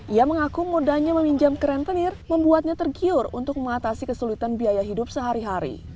ia mengaku mudahnya meminjam ke rentenir membuatnya tergiur untuk mengatasi kesulitan biaya hidup sehari hari